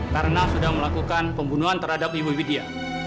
karena sudah melakukan pembunuhan terhadap ibu widya